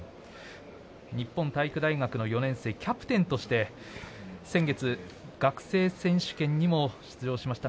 日本体育大学の４年生キャプテンとして先月学生選手権にも出場しました。